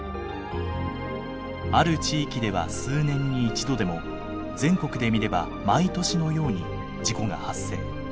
ある地域では数年に一度でも全国で見れば毎年のように事故が発生。